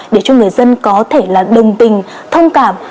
để cho người dân có thể là đồng tình thông cảm